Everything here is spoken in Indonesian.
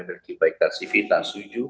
memiliki baik trans tv trans tujuh